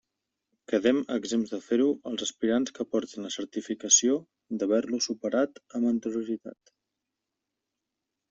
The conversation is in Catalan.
Quedem exempts de fer-lo els aspirants que aportin la certificació d'haver-lo superat amb anterioritat.